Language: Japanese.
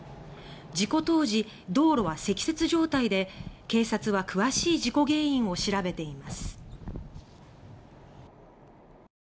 事故当時道路は積雪状態で警察は詳しい事故原因を調べています。